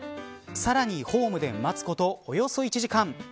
さらにホームで待つことおよそ１時間。